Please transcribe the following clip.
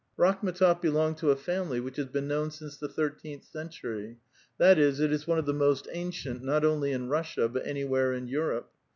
^ Rakhm^tof belonged to a family which has been known since the thirteenth century ; tliat is, it is one of the most ancient, not only in Russia, but anywhere in Europe.